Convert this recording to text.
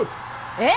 えっ！